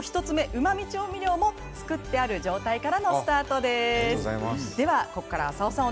コツの１つ目うまみ調味料も作ってある状態からのスタートです。